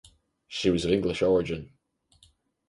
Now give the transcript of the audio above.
She was of English origin.